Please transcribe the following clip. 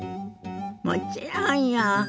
もちろんよ。